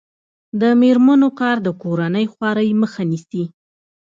د میرمنو کار د کورنۍ خوارۍ مخه نیسي.